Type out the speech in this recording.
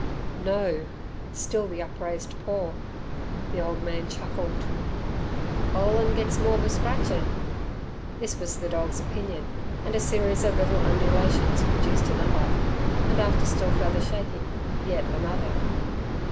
no still the upraised paw. The old man chuckled. "Ole 'en gets more b' scratchin'." This was the dog's opinion, and a series of little undulations produced another, and after still further shaking, yet another.